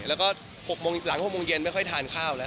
แล้วก็๖โมงหลัง๖โมงเย็นไม่ค่อยทานข้าวแล้ว